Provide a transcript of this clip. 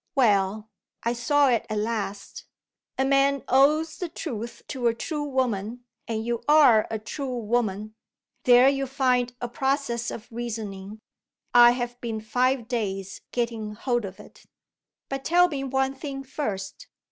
Well! I saw it at last. A man owes the truth to a true woman; and you are a true woman. There you find a process of reasoning I have been five days getting hold of it. "But tell me one thing first.